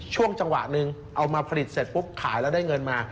ช่วงจังหวะหนึ่งเอามาผลิตเสร็จปุ๊บขายแล้วได้เงินมา